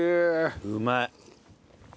うまい。